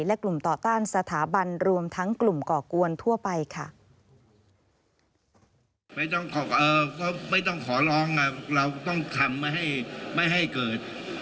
และกลุ่มต่อต้านสถาบันรวมทั้งกลุ่มก่อกวนทั่วไปค่ะ